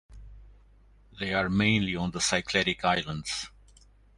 They are mainly on the Cycladic islands.